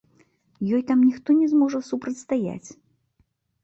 Ёй там ніхто не зможа супрацьстаяць.